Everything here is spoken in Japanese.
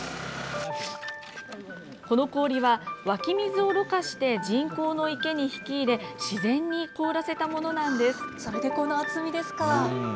この氷は湧き水をろ過して人工の池に引き入れ、自然に凍らせたもそれでこの厚みですか。